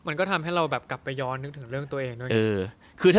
มันก็ทำให้เราแบบกลับไปย้อนนึกถึงเรื่องตัวเองด้วย